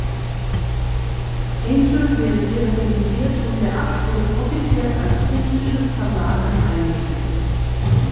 Angel wird rehabilitiert und der Absturz offiziell als technisches Versagen eingestuft.